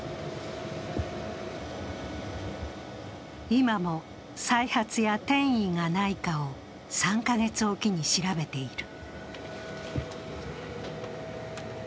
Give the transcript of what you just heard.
今も再発や転移がないかを３カ月おきに調べている。